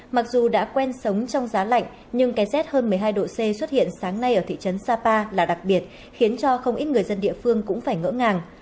mặc dù đã quen sống trong giá lạnh nhưng cái rét hơn một mươi hai độ c xuất hiện sáng nay ở thị trấn sapa là đặc biệt khiến cho không ít người dân địa phương cũng phải ngỡ ngàng